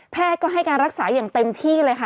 แพทย์ก็ให้การรักษาอย่างเต็มที่เลย